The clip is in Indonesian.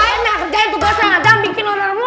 makanya ngerjain tugas yang ada bikin orang mulu